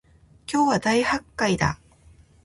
今日は大発会だ